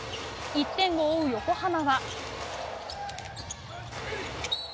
１点を追う横浜は。